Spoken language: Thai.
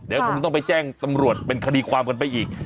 เดี๋ยวคงต้องไปแจ้งตำรวจเป็นคดีความกันไปอีก